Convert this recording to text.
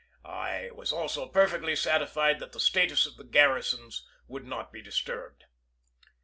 I was also perfectly satisfied that the status of the garrisons would not be disturbed.